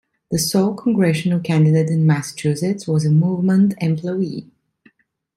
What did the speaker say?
The sole congressional candidate in Massachusetts was a movement employee.